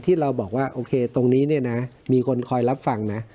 ที่เราบอกว่าโอเคตรงนี้เนี่ยนะมีคนคอยรับฟังนะ